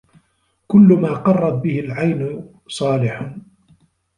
كل ما قَرَّتْ به العين صالح